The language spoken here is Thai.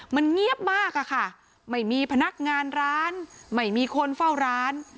มันเงียบมากอะค่ะไม่มีพนักงานร้านไม่มีคนเฝ้าร้าน